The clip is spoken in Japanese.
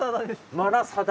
マラサダ。